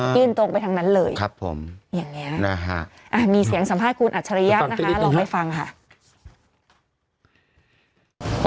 ยื่นตรงไปทั้งนั้นเลยครับผมยังไงนะฮะอ่ะมีเสียงสัมภาษณะคุณอัชริยาบอกว่าแล้วเลยฟังฮะ